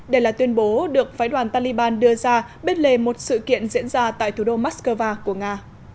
đây là tuyên bố được phái đoàn taliban đưa ra bên lề một sự kiện diễn ra tại thủ đô moscow của nga